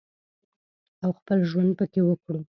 او خپل ژوند پکې وکړو